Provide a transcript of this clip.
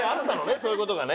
そういう事がね。